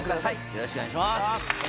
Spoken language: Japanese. よろしくお願いします。